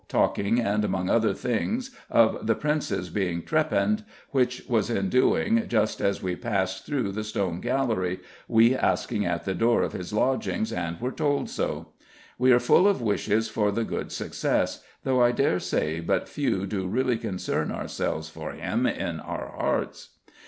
Talking, and among other things, of the Prince's being trepanned, which was in doing just as we passed through the Stone Gallery, we asking at the door of his lodgings, and were told so. We are full of wishes for the good success, though I dare say but few do really concern ourselves for him in our hearts.